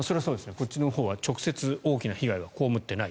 こっちのほうは直接大きな被害は被っていない。